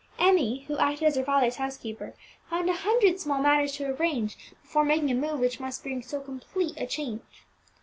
Emmie, who acted as her father's housekeeper, found a hundred small matters to arrange before making a move which must bring so complete a change.